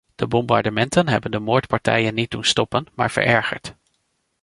De bombardementen hebben de moordpartijen niet doen stoppen, maar verergerd.